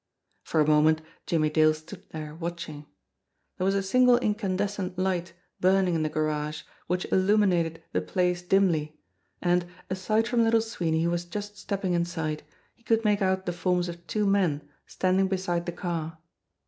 For a moment Jimmie Dale stood there watching. There was a single incandescent light burning in the garage which illuminated the place dimly, and, aside from Little Sweeney who was just stepping inside, he could make out the forms of two men standing beside the car.